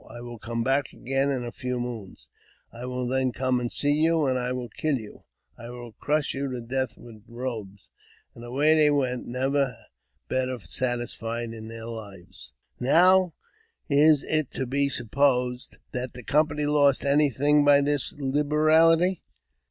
I will come back again in a few moons. I will then come and see you, and I will kill you — I will crush you to death with ^bes." And away they went, never better satisfied in their ' JS. 24 370 AUTOBIOGBAPHY OF Now is it to be supposed that the company lost anything by this liberality